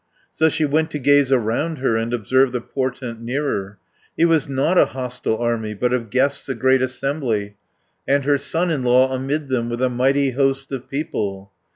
So she went to gaze around her, And observe the portent nearer; It was not a hostile army, But of guests a great assembly, And her son in law amid them, With a mighty host of people.